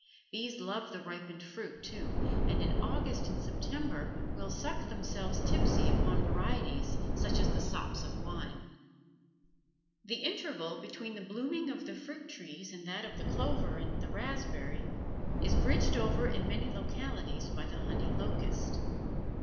Bees love the ripened fruit, too, and in August and September will suck themselves tipsy upon varieties such as the sops of wine. The interval between the blooming of the fruit trees and that of the clover and the raspberry is bridged over in many localities by the honey locust.